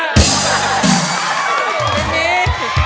ไม่มี